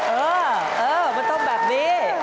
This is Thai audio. เออเออมันต้องแบบนี้